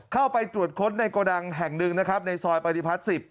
เข้าไปตรวจค้นในโกดังแห่งหนึ่งนะครับในซอยปฏิพัฒน์๑๐